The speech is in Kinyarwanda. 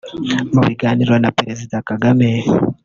Mu biganiro na Perezida Kagame